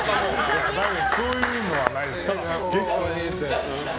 そういうのはないです。